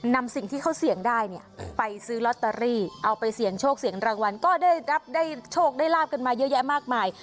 นำสิ่งที่เขาเสี่ยงได้เนี่ยไปซื้อลอตเตอรี่เอาไปเสี่ยงโชคเสี่ยงรางวัลก็ได้รับได้โชคได้ลาบกันมาเยอะแยะมากมาย